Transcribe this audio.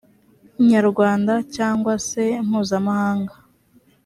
nyarwanda cyangwa se mpuzamahanga